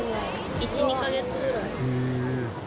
１、２か月ぐらい。